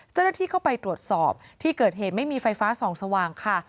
เจ้าหน้าที่เข้าไปตรวจสอบที่เกิดเหตุไม่มีไฟฟ้าส่องสว่างค่ะ